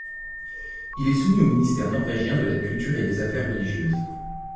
Il est soumis au ministère norvégien de la culture et des affaires religieuses.